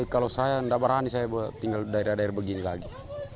kalau saya tidak berani saya tinggal daerah daerah begini lagi